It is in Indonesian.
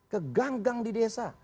ke gang gang di desa